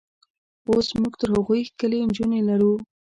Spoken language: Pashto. اوس موږ تر هغوی ښکلې نجونې لرو.